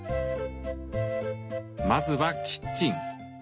まずはキッチン。